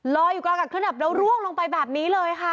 ลอยอยู่กลางกับเครื่องดับแล้วร่วงลงไปแบบนี้เลยค่ะ